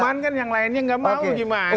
cuman kan yang lainnya nggak mau gimana